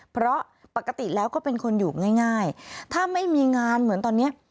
เพราะปกติแล้วก็เป็นคนอยู่ง่ายถ้าไม่มีงานเหมือนตอนนี้